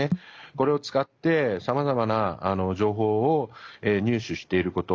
これを使って、さまざまな情報を入手していること。